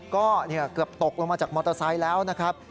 ก็เกือบตกลงมาจากมอเตอร์ไซค์แล้วนะครับ